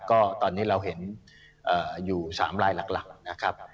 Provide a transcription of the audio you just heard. ก็ตอนนี้เราเห็นอยู่๓ลายหลักนะครับ